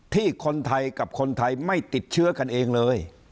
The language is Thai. ที่คนไทยกับคนไทยไม่ติดเชื้อกันเองเลย